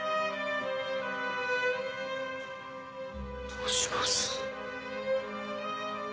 どうします？